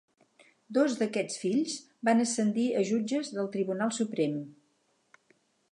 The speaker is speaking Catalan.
Dos d'aquests fills van ascendir a jutges del Tribunal Suprem.